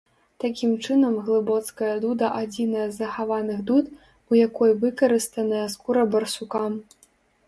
Такім чынам, глыбоцкая дуда адзіная з захаваных дуд, у якой выкарыстаная скура барсука.